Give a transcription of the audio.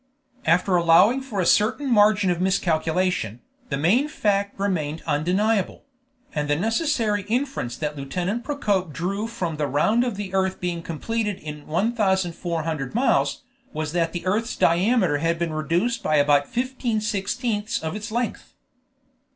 After allowing for a certain margin of miscalculation, the main fact remained undeniable; and the necessary inference that Lieutenant Procope drew from the round of the earth being completed in 1,400 miles, was that the earth's diameter had been reduced by about fifteen sixteenths of its length.